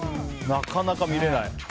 なかなか見れない。